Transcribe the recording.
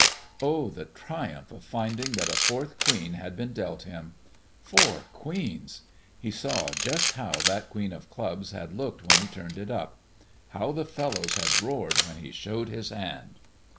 Oh, the triumph of finding that a fourth queen had been dealt him! Four queens! He saw just how that queen of clubs had looked when he turned it up. How the fellows had roared when he showed his hand!